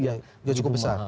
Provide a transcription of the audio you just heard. yang cukup besar